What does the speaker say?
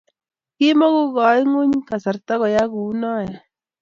Kimokukoi nguny kasarta koyay kounoe.